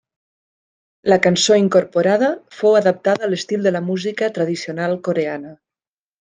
La cançó incorporada fou adaptada a l'estil de la música tradicional coreana.